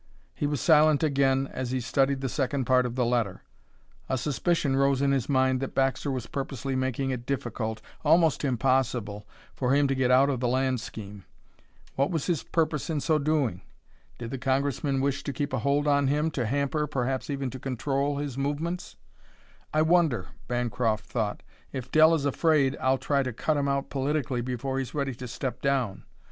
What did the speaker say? He was silent again as he studied the second part of the letter. A suspicion rose in his mind that Baxter was purposely making it difficult, almost impossible, for him to get out of the land scheme. What was his purpose in so doing? Did the Congressman wish to keep a hold on him to hamper, perhaps even to control, his movements? "I wonder," Bancroft thought, "if Dell is afraid I'll try to cut him out politically before he's ready to step down.